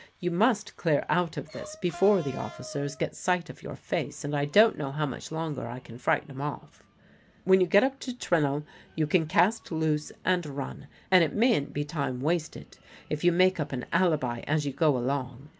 You must clear out of this before the officers get sight of your face, and I don't know how much longer I can frighten 'em off. When you get up to Trenowl you can cast loose and run, and it mayn't be time wasted if you make up an alibi as you go along.